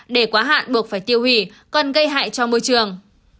để quá hạn buộc phải tiêu hủy còn gây hại cho môi trường